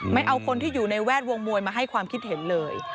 ไม่เอาคนที่อยู่ในแวดวงมวยมาให้ความคิดเห็นเลย